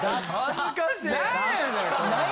恥ずかしい。